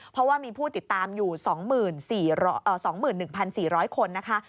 เพราะว่ามีผู้ติดตามอยู่๒๑๔๐๐คนนะคะ